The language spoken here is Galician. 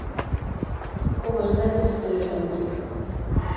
Como as grandes estrelas da música.